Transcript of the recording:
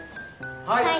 はい。